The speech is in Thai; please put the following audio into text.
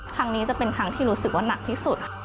ครั้งนี้จะเป็นครั้งที่รู้สึกว่าหนักที่สุด